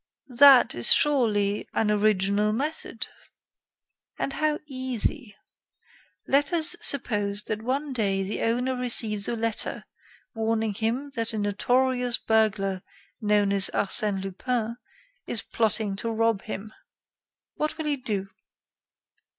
"That is surely an original method." "And how easy! Let us suppose that one day the owner receives a letter warning him that a notorious burglar known as Arsène Lupin is plotting to rob him. What will he do?"